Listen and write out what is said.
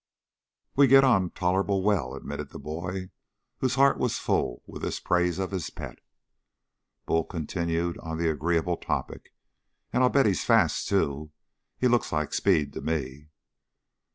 "We get on tolerable well," admitted the boy, whose heart was full with this praise of his pet. Bull continued on the agreeable topic. "And I'll bet he's fast, too. He looks like speed to me!"